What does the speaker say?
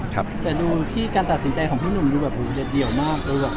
แต่ดูที่การตัดสินใจของพี่หนุ่มดูแดดเดี่ยวมากแบบขาบเป็นขา